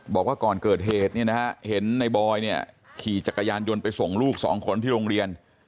บอกว่าก่อนเกิดเหตุเนี่ยนะฮะเห็นในบอยเนี่ยขี่จักรยานยนต์ไปส่งลูกสองคนที่โรงเรียน